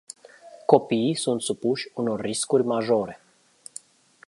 Copiii sunt supuși unor riscuri majore.